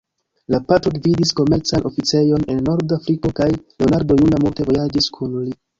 La patro gvidis komercan oficejon en Nord-Afriko kaj Leonardo juna multe vojaĝis kun li.